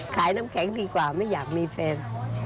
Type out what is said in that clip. ขายน้ำแข็งดีกว่าไม่อยากมีแฟน